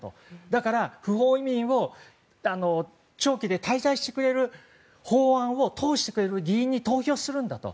だから、不法移民を長期で滞在してくれる法案を通してくれる議員に投票すると。